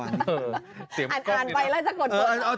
อ่านอ่านไปแล้วจะกดเกิดแล้ว